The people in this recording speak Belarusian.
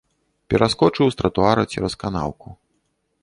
Пераскочыў з тратуара цераз канаўку.